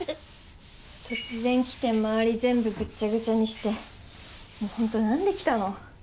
突然来て周り全部ぐっちゃぐっちゃにしてホントなんで来たの？